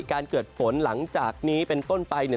การเกิดฝนหลังจากนี้เป็นต้นไปเนี่ย